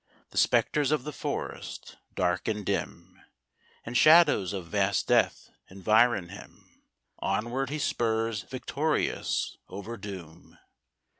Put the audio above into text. The spectres of the forest, dark and dim, And shadows of vast death environ him Onward he spurs victorious over doom.